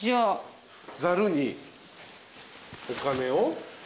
ざるにお金を。